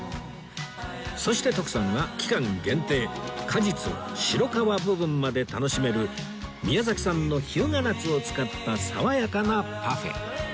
そして徳さんは期間限定果実を白皮部分まで楽しめる宮崎産の日向夏を使った爽やかなパフェ